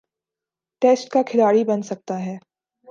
Test کا کھلاڑی بن سکتا ہے۔